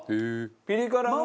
ピリ辛の。